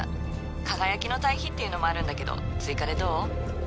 「かがやきの堆肥」っていうのもあるんだけど追加でどう？